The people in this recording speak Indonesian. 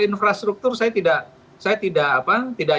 infrastruktur saya tidak